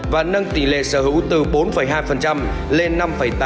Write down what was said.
và nâng tỷ lệ sở hữu từ bốn hai lên năm tám